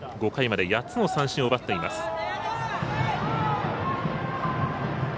５回まで８つの三振を奪っています。